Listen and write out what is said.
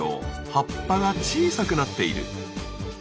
葉っぱが小さくなっている。